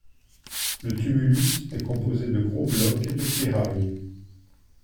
Le tumulus est composé de gros blocs et de pierrailles.